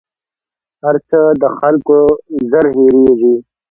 هر څه د خلکو ژر هېرېـږي